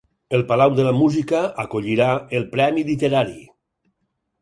El Palau de la Música acollirà el premi literari